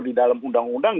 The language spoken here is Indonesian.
di dalam undang undang